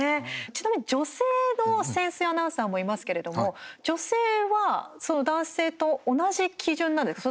ちなみに女性の潜水アナウンサーもいますけども女性は男性と同じ基準なんですか。